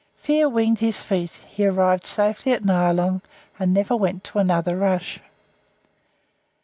Fear winged his feet' he arrived safely at Nyalong, and never went to another rush.